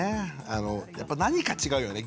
やっぱり何か違うよね。